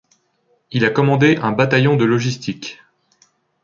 Il a commandé un bataillon de logistique.